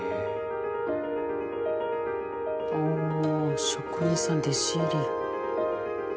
ああ職人さん弟子入り。